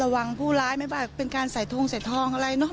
ผู้ร้ายไม่ว่าเป็นการใส่ทงใส่ทองอะไรเนอะ